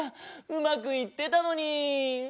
うまくいってたのに。